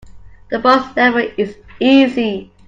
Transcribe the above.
The boss level is easy.